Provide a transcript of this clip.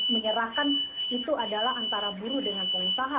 menyerahkan itu adalah antara buruh dengan pengusaha